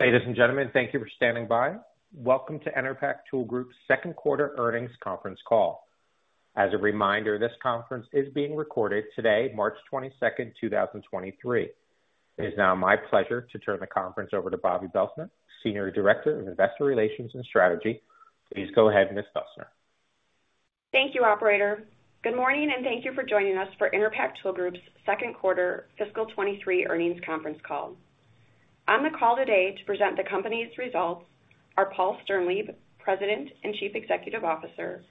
Ladies and gentlemen, thank you for standing by. Welcome to Enerpac Tool Group's second quarter earnings conference call. As a reminder, this conference is being recorded today, March 22, 2023. It is now my pleasure to turn the conference over to Bobbi Belstner, Senior Director of Investor Relations and Strategy. Please go ahead, Ms. Belstner. Thank you, operator. Good morning, and thank you for joining us for Enerpac Tool Group's second quarter fiscal 2023 earnings conference call. On the call today to present the company's results are Paul Sternlieb, President and Chief Executive Officer,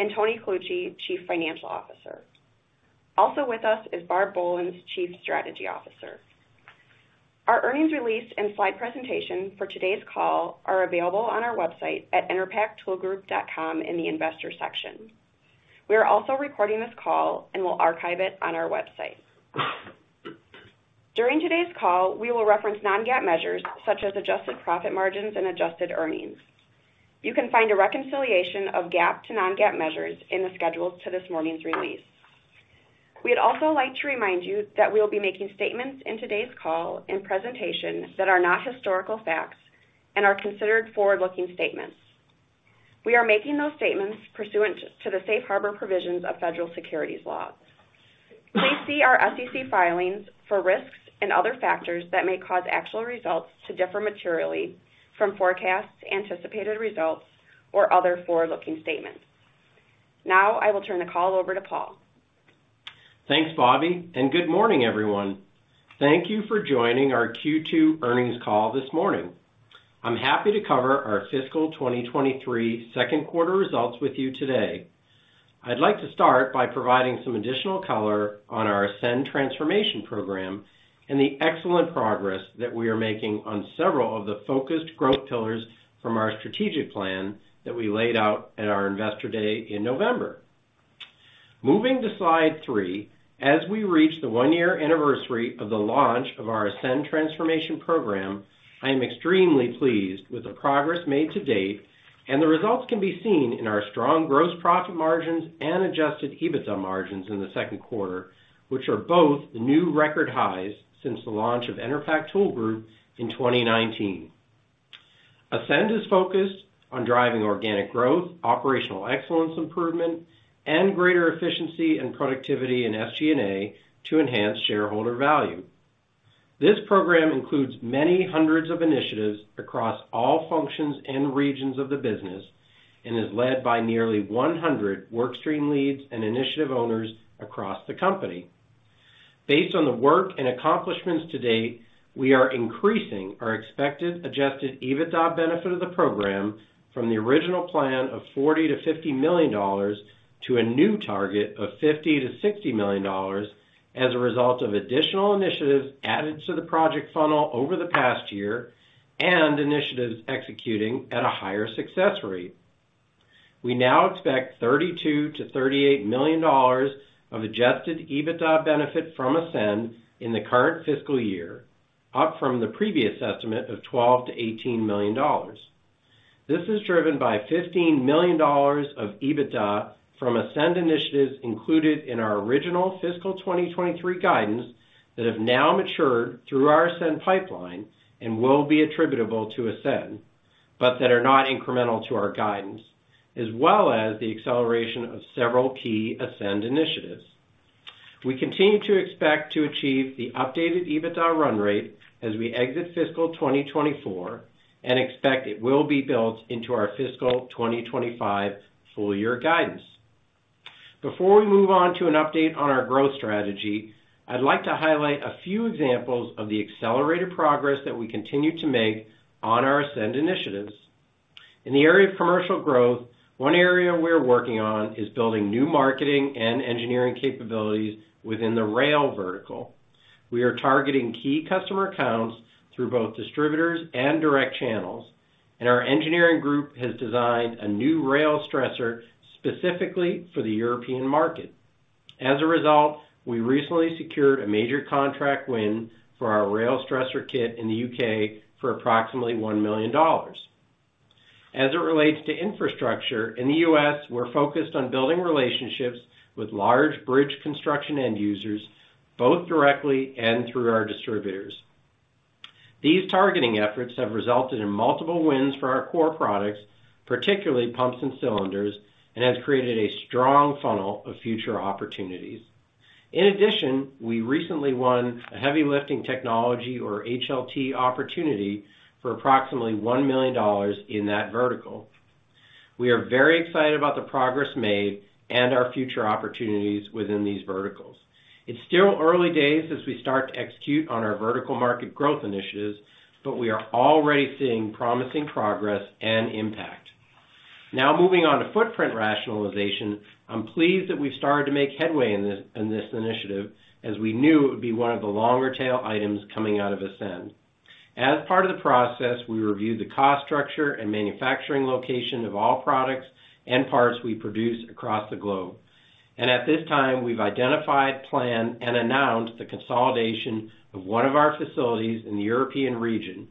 and Tony Colucci, Chief Financial Officer. Also with us is Barb Bolen, Chief Strategy Officer. Our earnings release and slide presentation for today's call are available on our website at enerpactoolgroup.com in the investor section. We are also recording this call and will archive it on our website. During today's call, we will reference non-GAAP measures such as adjusted profit margins and adjusted earnings. You can find a reconciliation of GAAP to non-GAAP measures in the schedules to this morning's release. We'd also like to remind you that we will be making statements in today's call and presentation that are not historical facts and are considered forward-looking statements. We are making those statements pursuant to the safe harbor provisions of federal securities laws. Please see our SEC filings for risks and other factors that may cause actual results to differ materially from forecasts, anticipated results, or other forward-looking statements. Now I will turn the call over to Paul. Thanks, Bobbi. Good morning, everyone. Thank you for joining our Q2 earnings call this morning. I'm happy to cover our fiscal 2023 second quarter results with you today. I'd like to start by providing some additional color on our ASCEND transformation program and the excellent progress that we are making on several of the focused growth pillars from our strategic plan that we laid out at our Investor Day in November. Moving to slide three, as we reach the one-year anniversary of the launch of our ASCEND transformation program, I am extremely pleased with the progress made to date, and the results can be seen in our strong gross profit margins and adjusted EBITDA margins in the second quarter, which are both the new record highs since the launch of Enerpac Tool Group in 2019. ASCEND is focused on driving organic growth, operational excellence improvement, and greater efficiency and productivity in SG&A to enhance shareholder value. This program includes many hundreds of initiatives across all functions and regions of the business and is led by nearly 100 work stream leads and initiative owners across the company. Based on the work and accomplishments to date, we are increasing our expected adjusted EBITDA benefit of the program from the original plan of $40 million- $50 million to a new target of $50 million -$60 million as a result of additional initiatives added to the project funnel over the past year and initiatives executing at a higher success rate. We now expect $32 million -$38 million of adjusted EBITDA benefit from ASCEND in the current fiscal year, up from the previous estimate of $12 million-$18 million. This is driven by $15 million of EBITDA from ASCEND initiatives included in our original fiscal 2023 guidance that have now matured through our ASCEND pipeline and will be attributable to ASCEND, but that are not incremental to our guidance, as well as the acceleration of several key ASCEND initiatives. We continue to expect to achieve the updated EBITDA run rate as we exit fiscal 2024 and expect it will be built into our fiscal 2025 full year guidance. Before we move on to an update on our growth strategy, I'd like to highlight a few examples of the accelerated progress that we continue to make on our ASCEND initiatives. In the area of commercial growth, one area we are working on is building new marketing and engineering capabilities within the rail vertical. We are targeting key customer accounts through both distributors and direct channels, and our engineering group has designed a new rail stressor specifically for the European market. As a result, we recently secured a major contract win for our rail stressor kit in the U.K. for approximately $1 million. As it relates to infrastructure, in the U.S., we're focused on building relationships with large bridge construction end users, both directly and through our distributors. These targeting efforts have resulted in multiple wins for our core products, particularly pumps and cylinders, and has created a strong funnel of future opportunities. In addition, we recently won a heavy lifting technology or HLT opportunity for approximately $1 million in that vertical. We are very excited about the progress made and our future opportunities within these verticals. It's still early days as we start to execute on our vertical market growth initiatives, but we are already seeing promising progress and impact. Now moving on to footprint rationalization. I'm pleased that we've started to make headway in this initiative as we knew it would be one of the longer tail items coming out of ASCEND. As part of the process, we reviewed the cost structure and manufacturing location of all products and parts we produce across the globe. At this time we've identified, planned, and announced the consolidation of one of our facilities in the European region.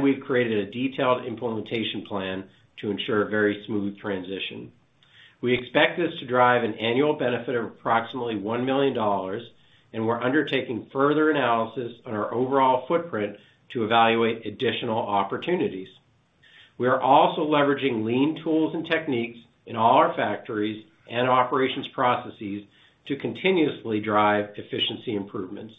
We've created a detailed implementation plan to ensure a very smooth transition. We expect this to drive an annual benefit of approximately $1 million, and we're undertaking further analysis on our overall footprint to evaluate additional opportunities. We are also leveraging learning tools and techniques in all our factories and operations processes to continuously drive efficiency improvements.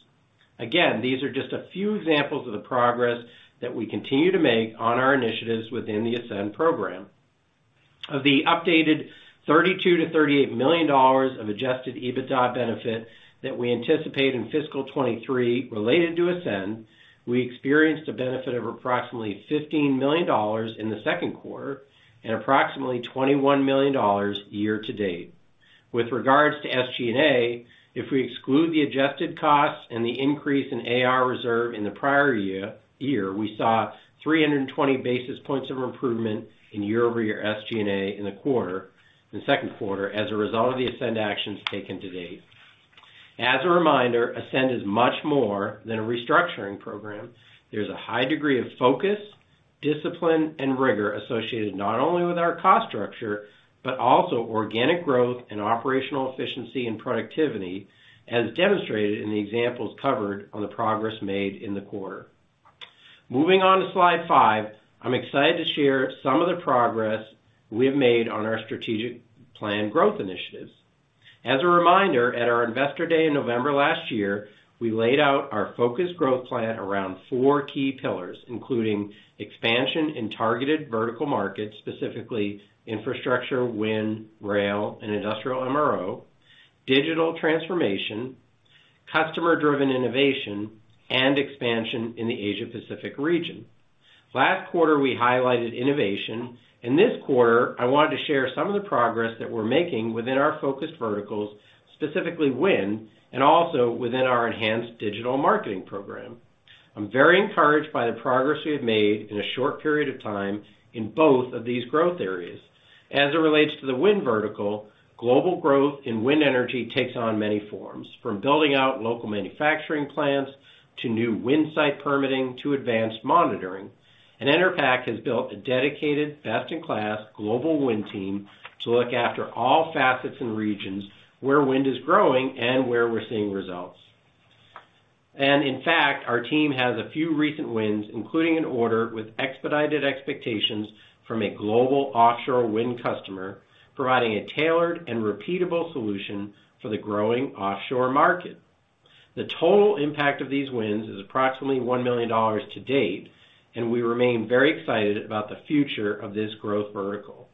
Again, these are just a few examples of the progress that we continue to make on our initiatives within the ASCEND program. Of the updated $32 million-$38 million of adjusted EBITDA benefit that we anticipate in fiscal 2023 related to ASCEND, we experienced a benefit of approximately $15 million in the second quarter and approximately $21 million year-to-date. With regards to SG&A, if we exclude the adjusted costs and the increase in AR reserve in the prior year, we saw 320 basis points of improvement in year-over-year SG&A in the second quarter as a result of the ASCEND actions taken to date. As a reminder, ASCEND is much more than a restructuring program. There's a high degree of focus, discipline, and rigor associated not only with our cost structure, but also organic growth and operational efficiency and productivity, as demonstrated in the examples covered on the progress made in the quarter. Moving on to slide five, I'm excited to share some of the progress we have made on our strategic plan growth initiatives. As a reminder, at our Investor Day in November last year, we laid out our focused growth plan around four key pillars, including expansion in targeted vertical markets, specifically infrastructure, wind, rail, and industrial MRO, digital transformation, customer-driven innovation, and expansion in the Asia-Pacific region. Last quarter, we highlighted innovation. In this quarter, I wanted to share some of the progress that we're making within our focused verticals, specifically wind, and also within our enhanced digital marketing program. I'm very encouraged by the progress we have made in a short period of time in both of these growth areas. As it relates to the wind vertical, global growth in wind energy takes on many forms, from building out local manufacturing plants to new wind site permitting to advanced monitoring. Enerpac has built a dedicated, best-in-class global wind team to look after all facets and regions where wind is growing and where we're seeing results. In fact, our team has a few recent wins, including an order with expedited expectations from a global offshore wind customer, providing a tailored and repeatable solution for the growing offshore market. The total impact of these wins is approximately $1 million to date, and we remain very excited about the future of this growth vertical.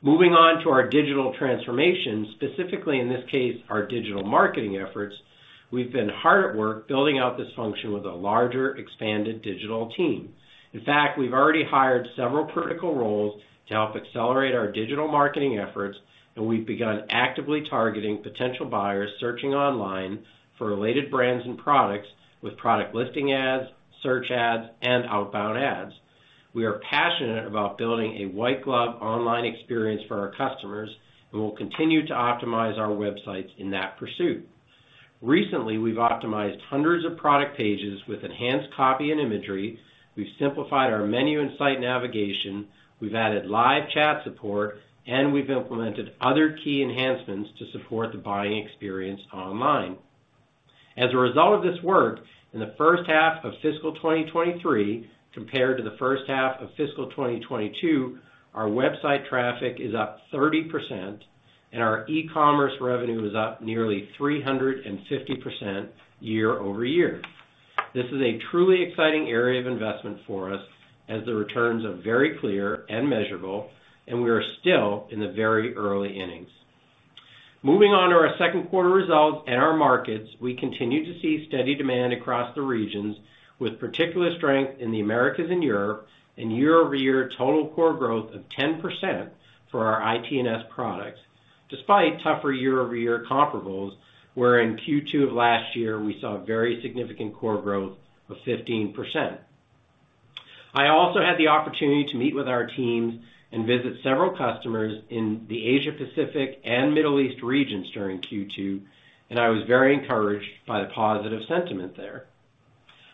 Moving on to our digital transformation, specifically in this case, our digital marketing efforts, we've been hard at work building out this function with a larger, expanded digital team. In fact, we've already hired several critical roles to help accelerate our digital marketing efforts. We've begun actively targeting potential buyers searching online for related brands and products with product listing ads, search ads, and outbound ads. We are passionate about building a white-glove online experience for our customers. We'll continue to optimize our websites in that pursuit. Recently, we've optimized hundreds of product pages with enhanced copy and imagery, we've simplified our menu and site navigation, we've added live chat support, and we've implemented other key enhancements to support the buying experience online. As a result of this work, in the first half of fiscal 2023 compared to the first half of fiscal 2022, our website traffic is up 30%, and our e-commerce revenue is up nearly 350% year-over-year. This is a truly exciting area of investment for us as the returns are very clear and measurable, and we are still in the very early innings. Moving on to our second quarter results and our markets, we continue to see steady demand across the regions, with particular strength in the Americas and Europe, and year-over-year total core growth of 10% for our IT&S products, despite tougher year-over-year comparables, where in Q2 of last year, we saw very significant core growth of 15%. I also had the opportunity to meet with our teams and visit several customers in the Asia-Pacific and Middle East regions during Q2, and I was very encouraged by the positive sentiment there.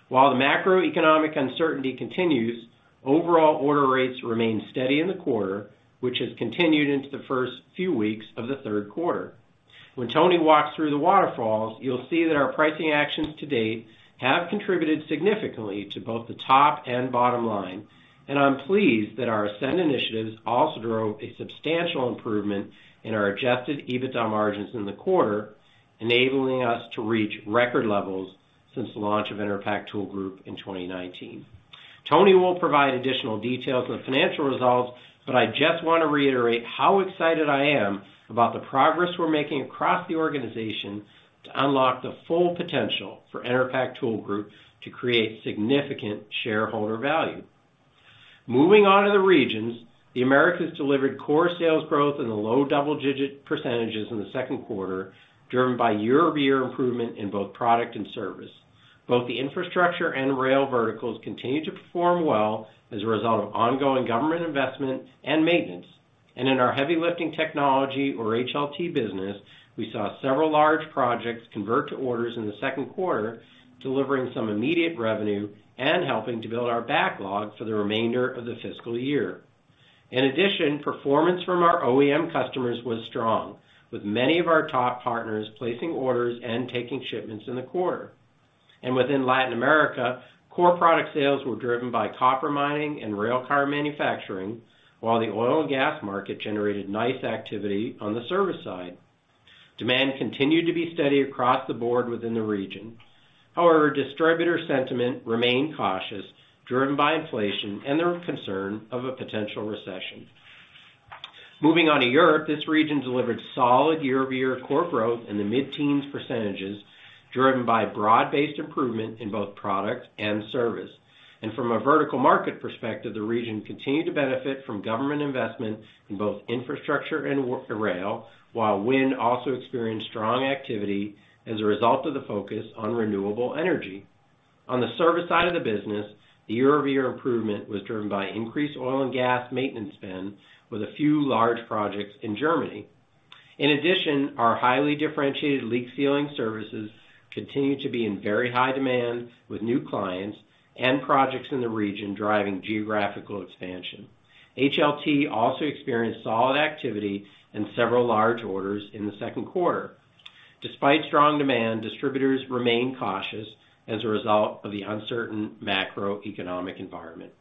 While the macroeconomic uncertainty continues, overall order rates remain steady in the quarter, which has continued into the first few weeks of the third quarter. When Tony walks through the waterfalls, you'll see that our pricing actions to date have contributed significantly to both the top and bottom line, and I'm pleased that our ASCEND initiatives also drove a substantial improvement in our adjusted EBITDA margins in the quarter, enabling us to reach record levels since the launch of Enerpac Tool Group in 2019. Tony will provide additional details on the financial results. I just want to reiterate how excited I am about the progress we're making across the organization to unlock the full potential for Enerpac Tool Group to create significant shareholder value. Moving on to the regions, the Americas delivered core sales growth in the low double-digit % in the second quarter, driven by year-over-year improvement in both product and service. Both the infrastructure and rail verticals continue to perform well as a result of ongoing government investment and maintenance. In our heavy lifting technology or HLT business, we saw several large projects convert to orders in the second quarter, delivering some immediate revenue and helping to build our backlog for the remainder of the fiscal year. In addition, performance from our OEM customers was strong, with many of our top partners placing orders and taking shipments in the quarter. Within Latin America, core product sales were driven by copper mining and railcar manufacturing, while the oil and gas market generated nice activity on the service side. Demand continued to be steady across the board within the region. However, distributor sentiment remained cautious, driven by inflation and the concern of a potential recession. Moving on to Europe, this region delivered solid year-over-year core growth in the mid-teen %, driven by broad-based improvement in both product and service. From a vertical market perspective, the region continued to benefit from government investment in both infrastructure and rail, while wind also experienced strong activity as a result of the focus on renewable energy. On the service side of the business, the year-over-year improvement was driven by increased oil and gas maintenance spend with a few large projects in Germany. In addition, our highly differentiated leak sealing services continued to be in very high demand with new clients and projects in the region driving geographical expansion. HLT also experienced solid activity and several large orders in the second quarter. Despite strong demand, distributors remain cautious as a result of the uncertain macroeconomic environment.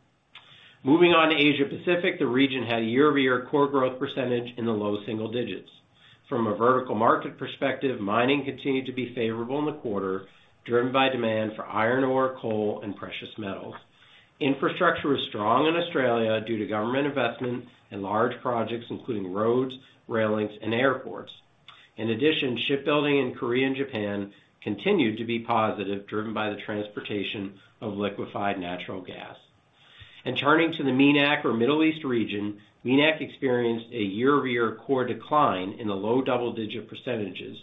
Moving on to Asia Pacific, the region had year-over-year core growth percentage in the low single digits. From a vertical market perspective, mining continued to be favorable in the quarter, driven by demand for iron ore, coal, and precious metals. Infrastructure was strong in Australia due to government investment and large projects, including roads, rail links, and airports. In addition, shipbuilding in Korea and Japan continued to be positive, driven by the transportation of liquefied natural gas. Turning to the MENA or Middle East region, MENA experienced a year-over-year core decline in the low double-digit %,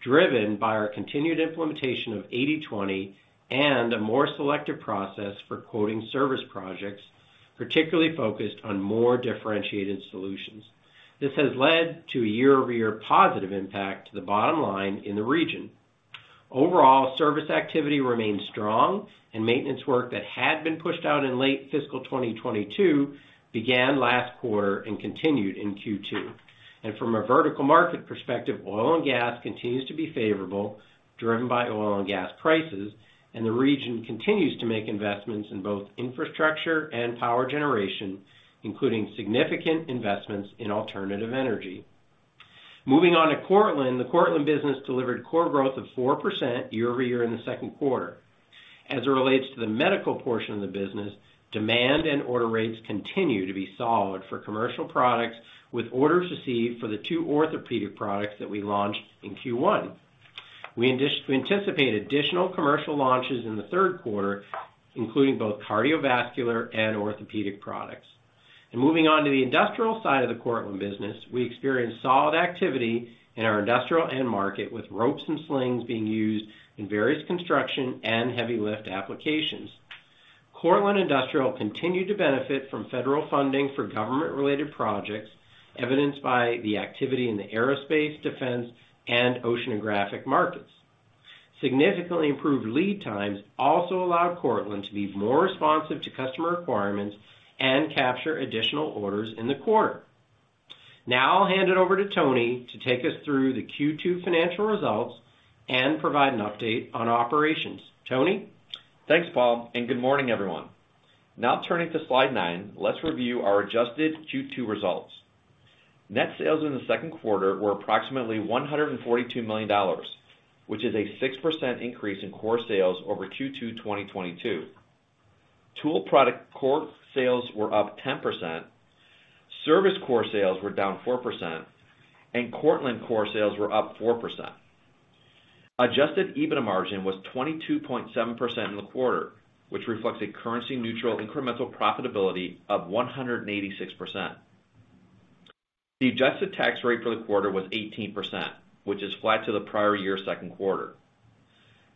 driven by our continued implementation of 80/20 and a more selective process for quoting service projects, particularly focused on more differentiated solutions. This has led to a year-over-year positive impact to the bottom line in the region. Overall, service activity remained strong and maintenance work that had been pushed out in late fiscal 2022 began last quarter and continued in Q2. From a vertical market perspective, oil and gas continues to be favorable, driven by oil and gas prices, and the region continues to make investments in both infrastructure and power generation, including significant investments in alternative energy. Moving on to Cortland, the Cortland business delivered core growth of 4% year-over-year in the second quarter. As it relates to the medical portion of the business, demand and order rates continue to be solid for commercial products with orders received for the two orthopedic products that we launched in Q1. We anticipate additional commercial launches in the third quarter, including both cardiovascular and orthopedic products. Moving on to the industrial side of the Cortland business, we experienced solid activity in our industrial end market with ropes and slings being used in various construction and heavy lift applications. Cortland Industrial continued to benefit from federal funding for government-related projects, evidenced by the activity in the aerospace, defense, and oceanographic markets. Significantly improved lead times also allowed Cortland to be more responsive to customer requirements and capture additional orders in the quarter. Now I'll hand it over to Tony to take us through the Q2 financial results and provide an update on operations. Tony? Thanks, Paul, good morning, everyone. Now turning to slide 9, let's review our adjusted Q2 results. Net sales in the second quarter were approximately $142 million, which is a 6% increase in core sales over Q2 2022. Tool product core sales were up 10%, service core sales were down 4%, and Cortland core sales were up 4%. Adjusted EBITDA margin was 22.7% in the quarter, which reflects a currency-neutral incremental profitability of 186%. The adjusted tax rate for the quarter was 18%, which is flat to the prior year second quarter.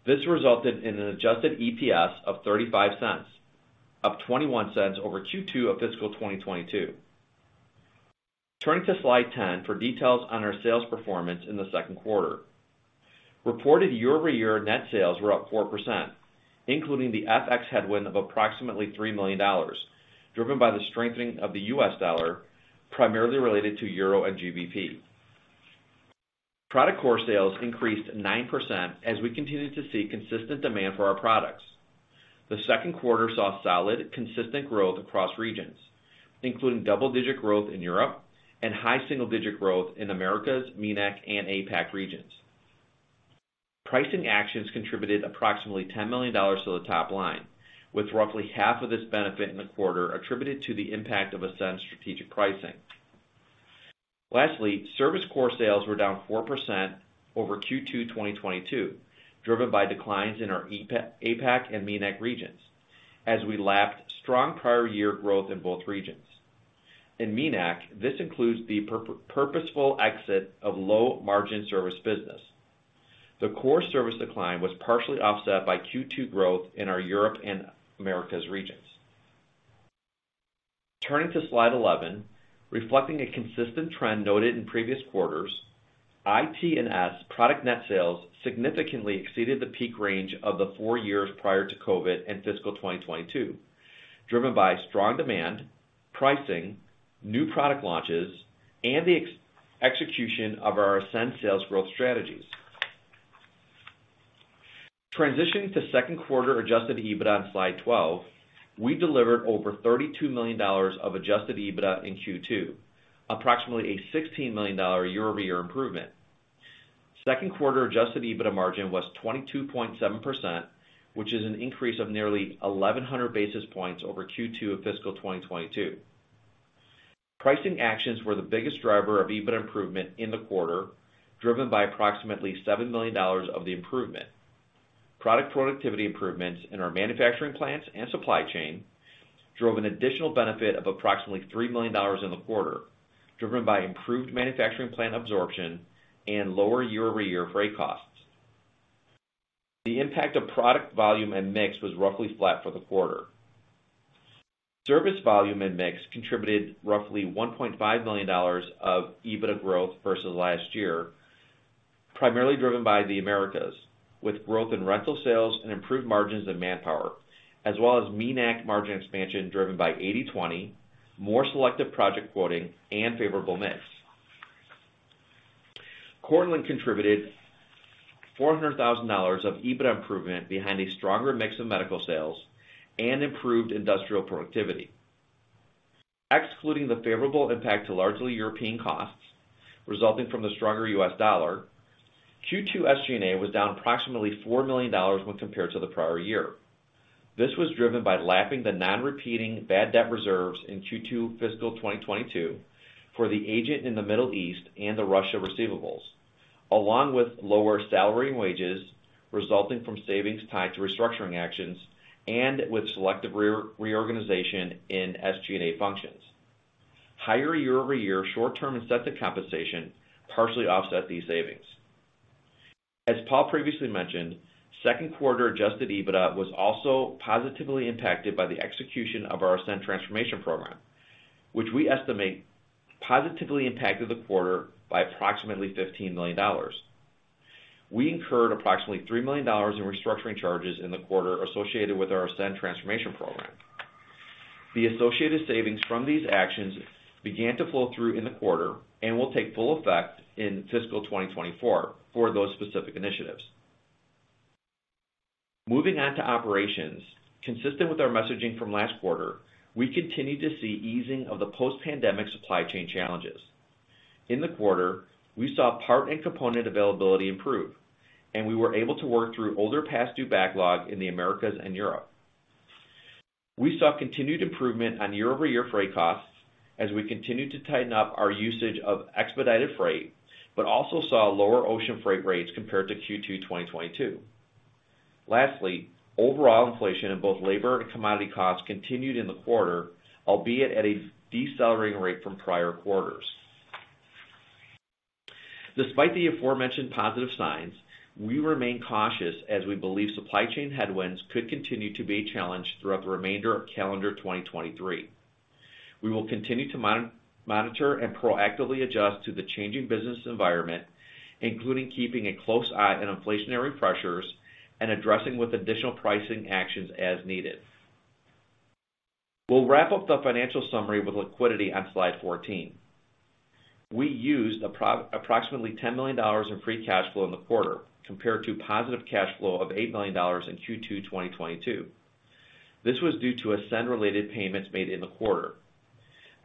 This resulted in an adjusted EPS of $0.35, up $0.21 over Q2 of fiscal 2022. Turning to slide 10 for details on our sales performance in the second quarter. Reported year-over-year net sales were up 4%, including the FX headwind of approximately $3 million, driven by the strengthening of the US dollar, primarily related to Euro and GBP. Product core sales increased 9% as we continued to see consistent demand for our products. The second quarter saw solid, consistent growth across regions, including double-digit growth in Europe and high single-digit growth in Americas, MENA, and APAC regions. Pricing actions contributed approximately $10 million to the top line, with roughly half of this benefit in the quarter attributed to the impact of ASCEND strategic pricing. Service core sales were down 4% over Q2 2022, driven by declines in our APAC and MENA regions as we lapped strong prior year growth in both regions. In MENA, this includes the purposeful exit of low-margin service business. The core service decline was partially offset by Q2 growth in our Europe and Americas regions. Turning to slide 11, reflecting a consistent trend noted in previous quarters, IT&S product net sales significantly exceeded the peak range of the four years prior to COVID in fiscal 2022, driven by strong demand, pricing, new product launches, and the execution of our ASCEND sales growth strategies. Transitioning to second quarter adjusted EBITDA on slide 12, we delivered over $32 million of adjusted EBITDA in Q2, approximately a $16 million year-over-year improvement. Second quarter adjusted EBITDA margin was 22.7%, which is an increase of nearly 1,100 basis points over Q2 of fiscal 2022. Pricing actions were the biggest driver of EBITDA improvement in the quarter, driven by approximately $7 million of the improvement. Product productivity improvements in our manufacturing plants and supply chain drove an additional benefit of approximately $3 million in the quarter, driven by improved manufacturing plant absorption and lower year-over-year freight costs. The impact of product volume and mix was roughly flat for the quarter. Service volume and mix contributed roughly $1.5 million of EBITDA growth versus last year, primarily driven by the Americas, with growth in rental sales and improved margins in manpower, as well as MENA margin expansion driven by 80/20, more selective project quoting, and favorable mix. Cortland contributed $400,000 of EBITDA improvement behind a stronger mix of medical sales and improved industrial productivity. Excluding the favorable impact to largely European costs resulting from the stronger US dollar, Q2 SG&A was down approximately $4 million when compared to the prior year. This was driven by lapping the non-repeating bad debt reserves in Q2 fiscal 2022 for the agent in the Middle East and the Russia receivables, along with lower salary and wages resulting from savings tied to restructuring actions and with selective reorganization in SG&A functions. Higher year-over-year short-term incentive compensation partially offset these savings. As Paul previously mentioned, second quarter adjusted EBITDA was also positively impacted by the execution of our ASCEND transformation program, which we estimate positively impacted the quarter by approximately $15 million. We incurred approximately $3 million in restructuring charges in the quarter associated with our ASCEND transformation program. The associated savings from these actions began to flow through in the quarter and will take full effect in fiscal 2024 for those specific initiatives. Moving on to operations. Consistent with our messaging from last quarter, we continued to see easing of the post-pandemic supply chain challenges. In the quarter, we saw part and component availability improve, and we were able to work through older past due backlog in the Americas and Europe. We saw continued improvement on year-over-year freight costs as we continued to tighten up our usage of expedited freight, but also saw lower ocean freight rates compared to Q2 2022. Lastly, overall inflation in both labor and commodity costs continued in the quarter, albeit at a decelerating rate from prior quarters. Despite the aforementioned positive signs, we remain cautious as we believe supply chain headwinds could continue to be a challenge throughout the remainder of calendar 2023. We will continue to monitor and proactively adjust to the changing business environment, including keeping a close eye on inflationary pressures and addressing with additional pricing actions as needed. We'll wrap up the financial summary with liquidity on slide 14. We used approximately $10 million in free cash flow in the quarter compared to positive cash flow of $8 million in Q2 2022. This was due to ASCEND-related payments made in the quarter.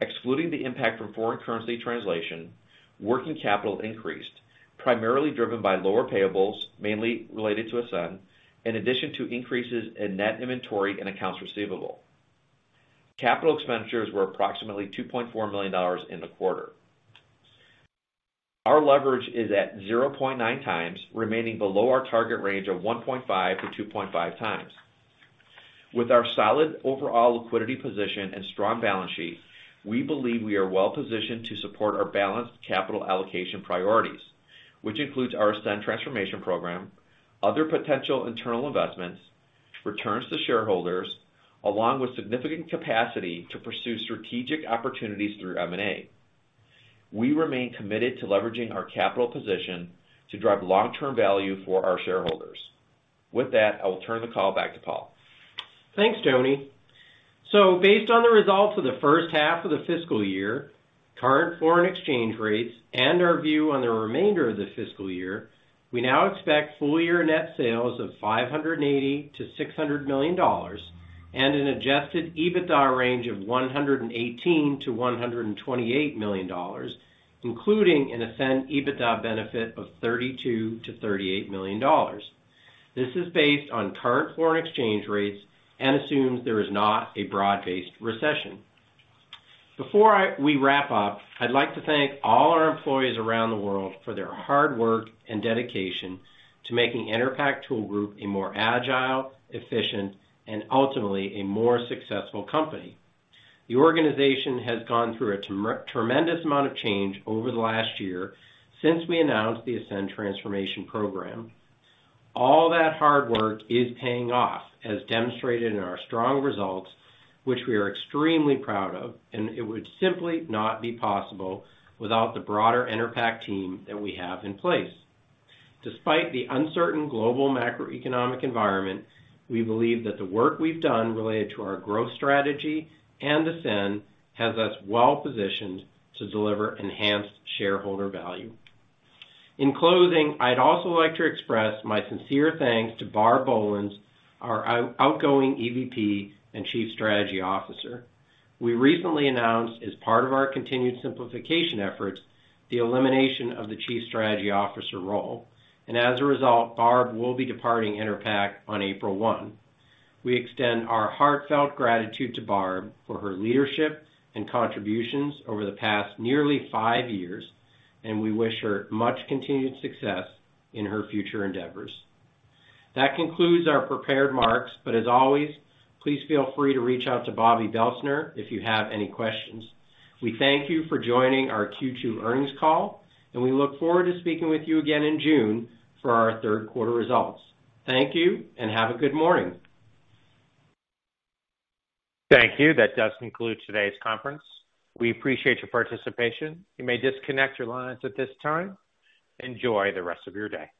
Excluding the impact from foreign currency translation, working capital increased, primarily driven by lower payables, mainly related to ASCEND, in addition to increases in net inventory and accounts receivable. Capital expenditures were approximately $2.4 million in the quarter. Our leverage is at 0.9 times, remaining below our target range of 1.5 to 2.5 times. With our solid overall liquidity position and strong balance sheet, we believe we are well-positioned to support our balanced capital allocation priorities, which includes our ASCEND transformation program, other potential internal investments, returns to shareholders, along with significant capacity to pursue strategic opportunities through M&A. We remain committed to leveraging our capital position to drive long-term value for our shareholders. With that, I will turn the call back to Paul. Thanks, Tony. Based on the results of the first half of the fiscal year, current foreign exchange rates, and our view on the remainder of the fiscal year, we now expect full-year net sales of $580 million-$600 million and an adjusted EBITDA range of $118 million-$128 million, including an ASCEND EBITDA benefit of $32 million-$38 million. This is based on current foreign exchange rates and assumes there is not a broad-based recession. Before we wrap up, I'd like to thank all our employees around the world for their hard work and dedication to making Enerpac Tool Group a more agile, efficient, and ultimately, a more successful company. The organization has gone through a tremendous amount of change over the last year since we announced the ASCEND transformation program. All that hard work is paying off, as demonstrated in our strong results, which we are extremely proud of, and it would simply not be possible without the broader Enerpac team that we have in place. Despite the uncertain global macroeconomic environment, we believe that the work we've done related to our growth strategy and ASCEND has us well-positioned to deliver enhanced shareholder value. In closing, I'd also like to express my sincere thanks to Barb Bolen,, our out-outgoing EVP and Chief Strategy Officer. We recently announced, as part of our continued simplification efforts, the elimination of the chief strategy officer role, and as a result, Barb will be departing Enerpac on April 1. We extend our heartfelt gratitude to Barb for her leadership and contributions over the past nearly five years, and we wish her much continued success in her future endeavors. That concludes our prepared remarks, but as always, please feel free to reach out to Bobbi Belstner if you have any questions. We thank you for joining our Q2 earnings call, and we look forward to speaking with you again in June for our third quarter results. Thank you. Have a good morning. Thank you. That does conclude today's conference. We appreciate your participation. You may disconnect your lines at this time. Enjoy the rest of your day.